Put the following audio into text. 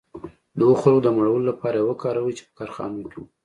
د هغو خلکو د مړولو لپاره یې وکاروي چې په کارخانو کې وو